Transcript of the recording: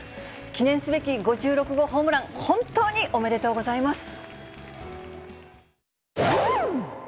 記念すべき５６号ホームラン、本当におめでとうございます。